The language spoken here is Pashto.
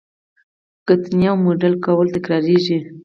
کتنې او موډل کول تکراریږي.